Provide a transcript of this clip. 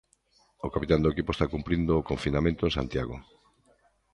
O capitán do equipo está cumprindo o confinamento en Santiago.